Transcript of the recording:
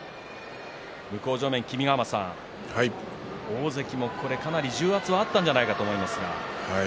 向正面君ヶ濱さん大関もここでかなり重圧があったんじゃないですか。